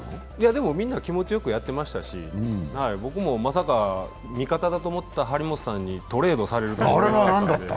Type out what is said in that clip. でも、みんな気持ちよくやってましたし、僕もまさか、味方だと思った張本さんにトレードされるとは。